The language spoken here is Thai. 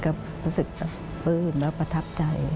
ก็รู้สึกปลื้มแล้วประทับใจ